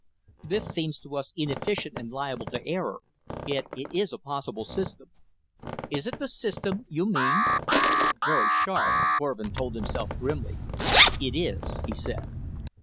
This seems to us inefficient and liable to error, yet it is a possible system. Is it the system you mean?" Very sharp, Korvin told himself grimly. "It is," he said.